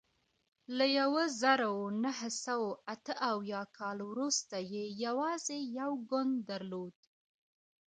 له یوه زرو نهه سوه اته اویا کال وروسته یې یوازې یو ګوند درلود.